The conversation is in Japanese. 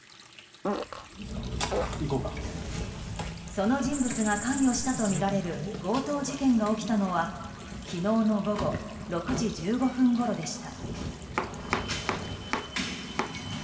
その人物が関与したとみられる強盗事件が起きたのは昨日の午後６時１５分ごろでした。